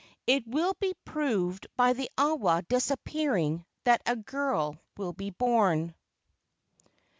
It will be proved by the awa disappearing that a girl will be born.